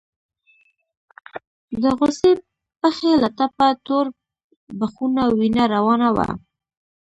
د غوڅې پښې له ټپه تور بخونه وينه روانه وه.